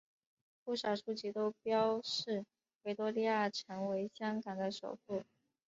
不少书籍都标示维多利亚城为香港的首府。